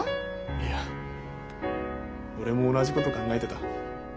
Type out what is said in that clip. いや俺も同じこと考えてた。